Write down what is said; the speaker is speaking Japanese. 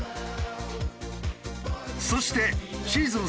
そしてシーズン